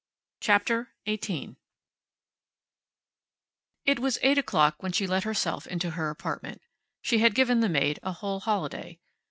CHAPTER EIGHTEEN It was eight o'clock when she let herself into her apartment. She had given the maid a whole holiday.